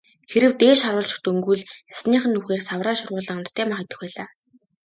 Хэрэв дээш харуулж дөнгөвөл ясных нь нүхээр савраа шургуулан амттай мах идэх байлаа.